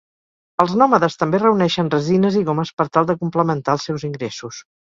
Els nòmades també reuneixen resines i gomes per tal de complementar els seus ingressos.